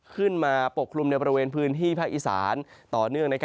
ปกคลุมในบริเวณพื้นที่ภาคอีสานต่อเนื่อง